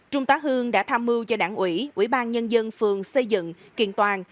trung tá hương đã tham mưu cho đảng ủy ủy ban nhân dân phường xây dựng kiện toàn